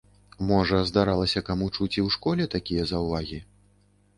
Можа здаралася каму чуць і ў школе такія заўвагі?